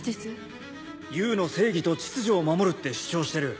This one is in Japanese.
Ｕの正義と秩序を守るって主張してる。